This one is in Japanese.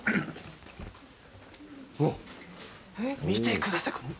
見てください。